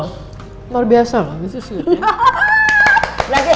luar biasa loh ini susu gitu